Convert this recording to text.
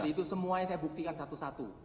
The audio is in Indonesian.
jadi itu semuanya saya buktikan satu satu